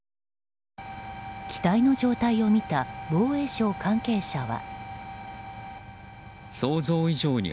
機体の状態を見た防衛省関係者は。